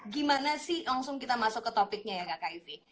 gimana sih langsung kita masuk ke topiknya ya kak ivi